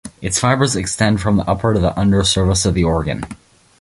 Its fibers extend from the upper to the under surface of the organ.